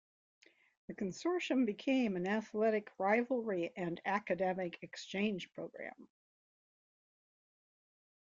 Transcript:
The consortium became an athletic rivalry and academic exchange program.